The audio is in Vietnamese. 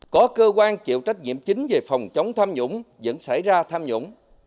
có cơ quan chịu trách nhiệm chính về phòng chống tham nhũng vẫn xảy ra tham nhũng